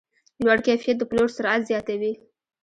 لوړ کیفیت د پلور سرعت زیاتوي.